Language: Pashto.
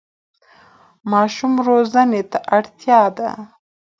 ماشوم روزنه اړینه ده.